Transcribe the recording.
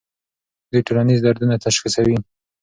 دوی ټولنیز دردونه تشخیصوي.